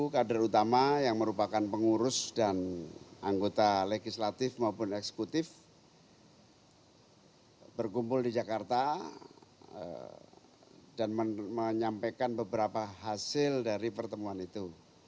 kader utama yang merupakan pengurus dan anggota legislatif maupun eksekutif berkumpul di jakarta dan menyampaikan beberapa hasil dari pertemuan itu